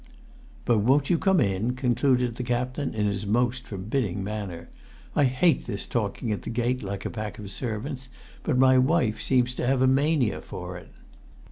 "But won't you come in?" concluded the captain in his most forbidding manner. "I hate this talking at the gate like a pack of servants, but my wife seems to have a mania for it."